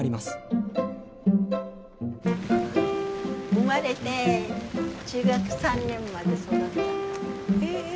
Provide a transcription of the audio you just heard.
生まれて中学３年まで育った家。